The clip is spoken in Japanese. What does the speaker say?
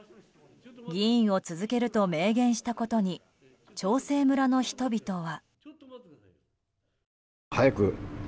議員を続けると明言したことに長生村の人々は。